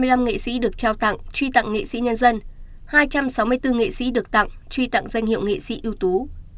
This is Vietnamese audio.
trong đó có một trăm hai mươi năm nghệ sĩ được trao tặng truy tặng nghệ sĩ nhân dân hai trăm sáu mươi bốn nghệ sĩ được tặng truy tặng danh hiệu nghệ sĩ ưu tú